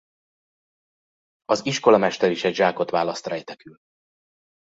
Az iskolamester is egy zsákot választ rejtekül.